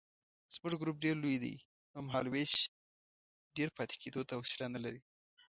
زموږ ګروپ ډېر لوی دی نو مهالوېش ډېر پاتې کېدو ته حوصله نه لري.